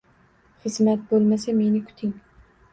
Xizmat bo'lmasa, meni kuting